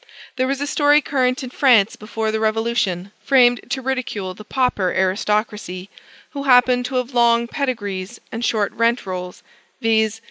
There was a story current in France before the Revolution, framed to ridicule the pauper aristocracy, who happened to have long pedigrees and short rent rolls, viz.